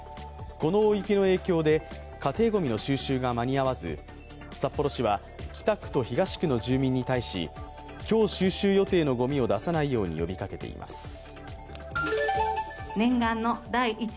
この大雪の影響で家庭ごみの収集が間に合わず札幌市は北区と東区の住民に対し今日収集予定のごみを出さないように呼びかけています。